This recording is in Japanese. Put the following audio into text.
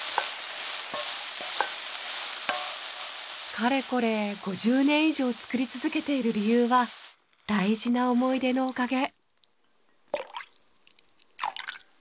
かれこれ５０年以上作り続けている理由は大事な思い出のおかげ。